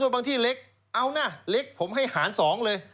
บางที่เล็กเอานะเล็กผมให้หาร๒เลย